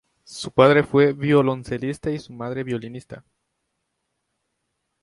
Su padre fue violoncelista y su madre violinista.